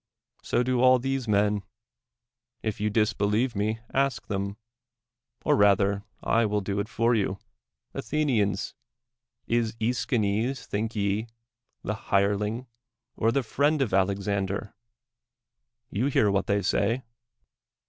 So do all these men. If you dis believe me. ask them; or rather I will do it for you. Athenians! is iEschines, think ye the hire ling, or the friend of Alexander 1 You hear what they say